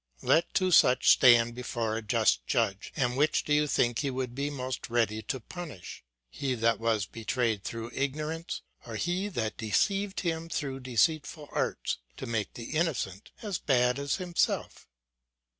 Let two such stand before a just judge, and which do you think he would be most ready to punish ; he that was betrayed through ig norance, or he that deceived him through deceitful arts to make the innocent as bad as himself?